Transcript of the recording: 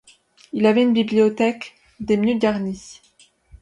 Ils avaient une bibliothèque des mieux garnies.